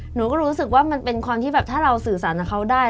หนูก็รู้สึกว่ามันเป็นความที่แบบถ้าเราสื่อสารกับเขาได้